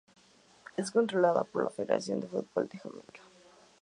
Es controlada por la Federación de Fútbol de Jamaica.